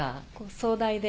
壮大で。